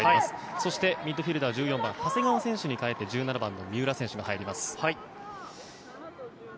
そしてミッドフィールダー１４番の長谷川選手に代わりまして１７番の三浦選手が入ります。